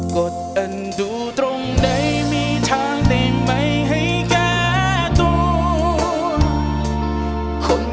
กดดันดูตรงไหนมีทางได้ไหมให้แก้ตัว